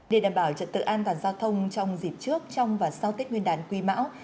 để đảm bảo trật tự an toàn giao thông trong dịp trước trong và sau tết nguyên đán quý mão